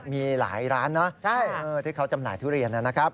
มีหลายร้านนะที่เขาจำหน่ายทุเรียนนะครับ